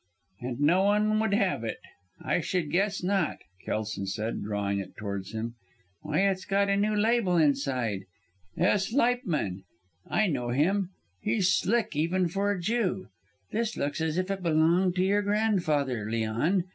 "And no one would have it? I should guess not," Kelson said, drawing it towards him. "Why it's got a new label inside S. Leipman! I know him. He's slick even for a Jew. This looks as if it belonged to your grandfather, Leon.